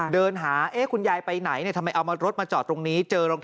เดินหาเอ๊ะคุณยายไปไหนทำไมเอารถมาจอดตรงนี้